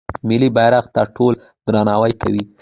ملي بیرغ ته ټول درناوی کوي.